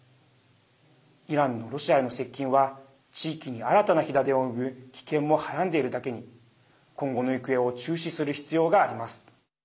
イランのロシアへの接近は地域に新たな火種を生む危険もはらんでいるだけに今後の行方を注視する必要があります。